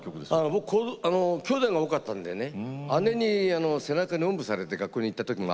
僕きょうだいが多かったんでね姉に背中におんぶされて学校に行った時もあるんです。